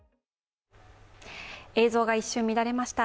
映像が一瞬乱れました。